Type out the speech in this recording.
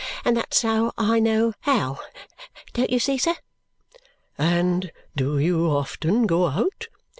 And that's how I know how; don't you see, sir?" "And do you often go out?"